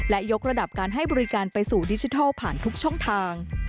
และยกระดับการให้บริการไปสู่ดิจิทัลผ่านทุกช่องทาง